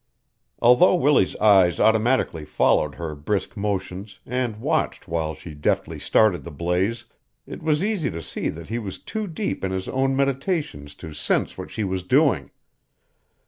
Although Willie's eyes automatically followed her brisk motions and watched while she deftly started the blaze, it was easy to see that he was too deep in his own meditations to sense what she was doing.